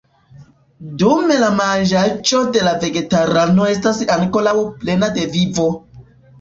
Dume la manĝaĵo de la vegetarano estas ankoraŭ plena de vivo.